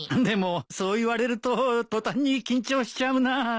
でもそう言われると途端に緊張しちゃうなぁ。